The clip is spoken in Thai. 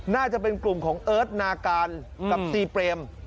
น่าจะเป็นกลุ่มของเอิร์ทนาการกับซีเปรม